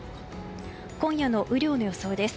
今夜の雨量の予想です。